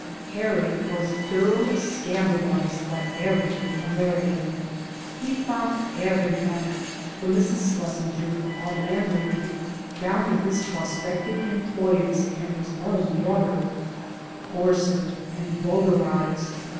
Harry was thoroughly scandalized by everything American. He found every one, from Mrs. Schlesin^er (our land lady) down to his prospective employers and his own brother, coarsened and vulgarized.